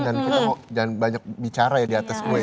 dan kita mau jangan banyak bicara ya di atas kue ya